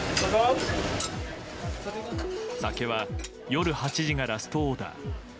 酒は夜８時がラストオーダー。